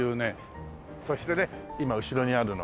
そしてね今後ろにあるのがね